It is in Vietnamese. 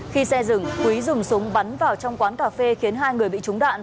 khi xe dừng quý dùng súng bắn vào trong quán cà phê khiến hai người bị trúng đạn